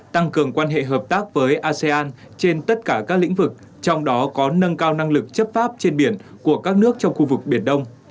tăng cường quan hệ hợp tác với asean trên tất cả các lĩnh vực trong đó có nâng cao năng lực chấp pháp trên biển của các nước trong khu vực biển đông